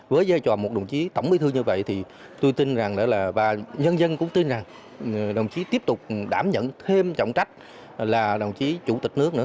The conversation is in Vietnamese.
với giai trò một đồng chí tổng bí thư như vậy thì tôi tin rằng là nhân dân cũng tin rằng đồng chí tiếp tục đảm nhận thêm trọng trách là đồng chí chủ tịch nước nữa